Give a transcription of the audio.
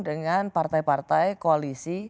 dengan partai partai koalisi